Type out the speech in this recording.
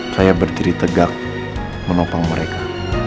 saya berdiri tegak menopang mereka